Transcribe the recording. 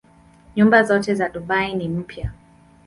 Nyumba zote za Dubai ni mpya.